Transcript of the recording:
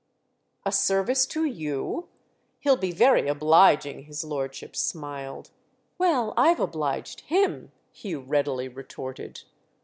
"A service to you? He'll be very obliging," his lordship smiled. "Well, I've obliged him!" Hugh readily retorted.